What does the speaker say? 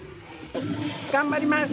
頑張ります。